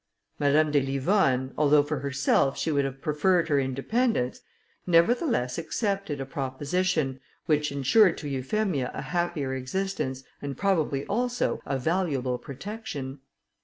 Madame de Livonne, although for herself she would have preferred her independence, nevertheless accepted a proposition, which insured to Euphemia a happier existence, and probably, also, a valuable protection.